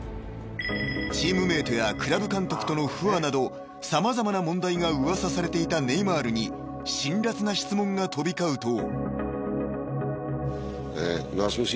［チームメートやクラブ監督との不和など様々な問題が噂されていたネイマールに辛辣な質問が飛び交うと］